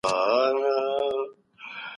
دی او تعصب نه